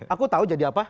aku tahu jadi apa